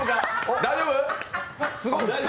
大丈夫？